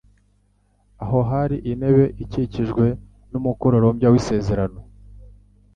Aho hari intebe ikikijwe n'umukororombya w'isezerano.